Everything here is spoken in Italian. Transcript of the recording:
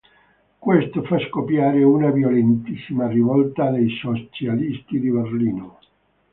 Questo fa scoppiare una violentissima rivolta dei Socialisti di Berlino.